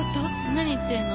何言ってるの。